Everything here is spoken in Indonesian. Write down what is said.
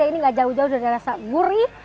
ini gak jauh jauh dari rasa gurih